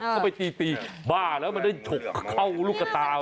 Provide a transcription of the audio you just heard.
เข้าไปตีบ้าแล้วมันได้ถกเข้ารูกตาเนี่ย